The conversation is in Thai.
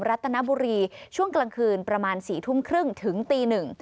รัฐนบุรีช่วงกลางคืนประมาณสี่ทุ่มครึ่งถึงตีหนึ่ง